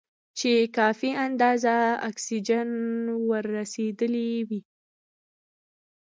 چې کافي اندازه اکسیجن ور رسېدلی وي.